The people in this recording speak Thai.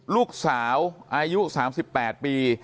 ลูกสาวอายุ๓๘ปี